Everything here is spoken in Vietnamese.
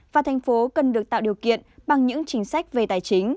và thành phố cần được tạo điều kiện bằng những chính sách về tài chính